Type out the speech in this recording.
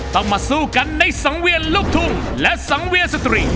ต้องมาสู้กันในสังเวียนลูกทุ่งและสังเวียนสตรี